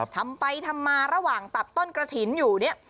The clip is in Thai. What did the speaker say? ทำไปทำมาระหว่างตัดต้นกระถิ่นอยู่เนี่ย